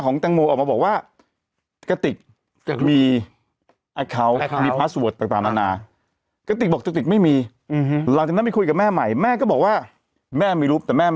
ไงเมื่อวานนี้คุณอุ๋ยเขาก็มีการ